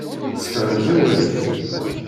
Sefhem-d awal-ik.